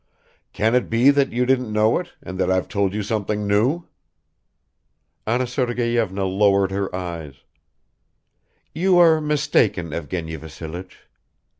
"Can it be that you didn't know it and that I've told you something new?" Anna Sergeyevna lowered her eyes. "You are mistaken, Evgeny Vassilich."